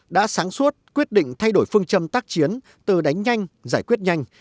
đã sáng suốt quyết định thay đổi phương châm tác chiến từ đánh nhanh giải quyết nhanh